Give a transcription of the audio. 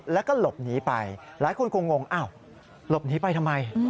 แล้วก็หลบหนีไปหลายคนคงงอ้าวหลบหนีไปทำไม